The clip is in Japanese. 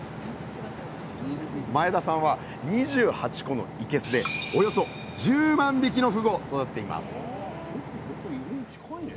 前田さんは２８個のいけすでおよそ１０万匹のふぐを育てています